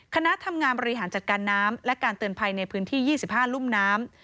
คณะทำงานบริหารจัดการน้ำและการเตือนภัยในพื้นที่๒๕รุ่มน้ำ